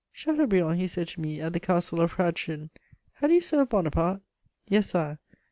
"Chateaubriand," he said to me at the Castle of Hradschin, "had you served Bonaparte?" "Yes, Sire."